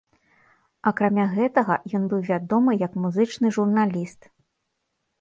Акрамя гэтага, ён быў вядомы як музычны журналіст.